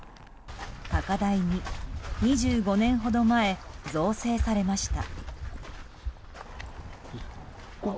高台に２５年ほど前、造成されました。